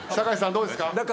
どうですか？